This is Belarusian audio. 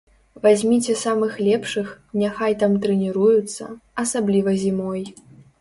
Вазьміце самых лепшых, няхай там трэніруюцца, асабліва зімой.